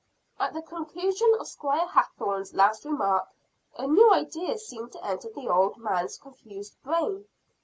At the conclusion of Squire Hathorne's last remark, a new idea seemed to enter the old man's confused brain.